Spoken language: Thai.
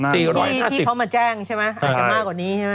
ที่เขามาแจ้งใช่ไหมอาจจะมากกว่านี้ใช่ไหม